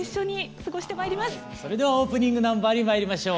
それではオープニングナンバーにまいりましょう。